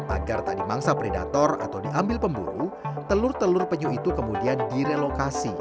agar tak dimangsa predator atau diambil pemburu telur telur penyu itu kemudian direlokasi